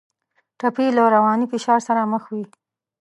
ټپي له رواني فشار سره مخ وي.